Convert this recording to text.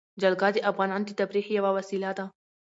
جلګه د افغانانو د تفریح یوه وسیله ده.